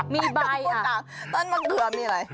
มีใบอ่ะต้นมะเขือมีอะไร